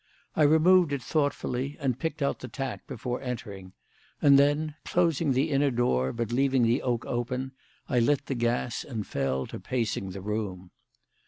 I removed it thoughtfully and picked out the tack before entering, and then, closing the inner door, but leaving the oak open, I lit the gas and fell to pacing the room.